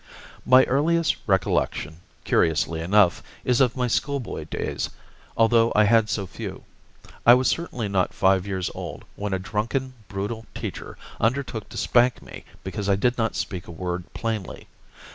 My earliest recollection, curiously enough, is of my schoolboy days, although I had so few. I was certainly not five years old when a drunken, brutal teacher undertook to spank me because I did not speak a word plainly.